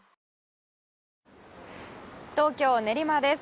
東京・練馬です。